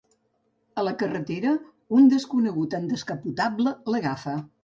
A la carretera, un desconegut en descapotable l'agafa.